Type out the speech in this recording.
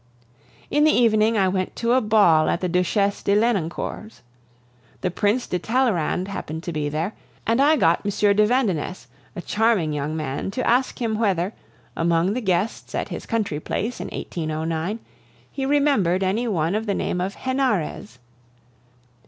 In the evening I went to a ball at the Duchesse de Lenoncourt's. The Prince de Talleyrand happened to be there; and I got M. de Vandenesse, a charming young man, to ask him whether, among the guests at his country place in 1809, he remembered any one of the name of Henarez.